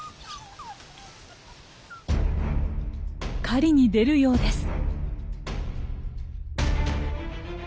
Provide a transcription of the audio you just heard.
狩りに出るようです。